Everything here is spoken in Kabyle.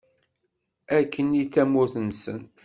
Akken i d tamurt-nsen.